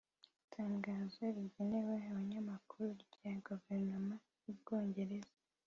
Itangazo rigenewe abanyamakuru rya Guverinoma y’u Bwongereza